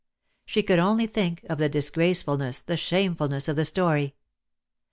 She could only think of the disgraceful ness, the shamefulness of the story.